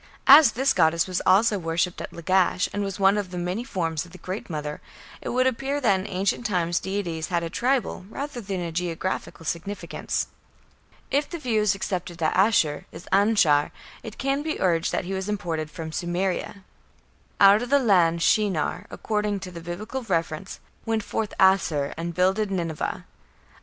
As this goddess was also worshipped at Lagash, and was one of the many forms of the Great Mother, it would appear that in ancient times deities had a tribal rather than a geographical significance. If the view is accepted that Ashur is Anshar, it can be urged that he was imported from Sumeria. "Out of that land (Shinar)", according to the Biblical reference, "went forth Asshur, and builded Nineveh."